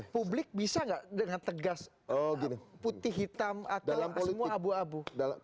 publik bisa gak dengan tegas putih hitam atau semua abu abu